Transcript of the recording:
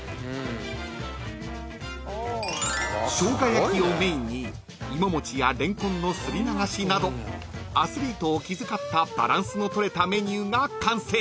［しょうが焼きをメインにいももちやれんこんのすり流しなどアスリートを気遣ったバランスの取れたメニューが完成］